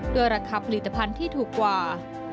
ราคาผลิตภัณฑ์ที่ถูกกว่า